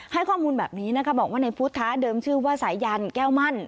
ให้ข้อมูลแบบนี้นะคะบอกว่าในพุทธะเดิมชื่อว่าสายันแก้วมั่น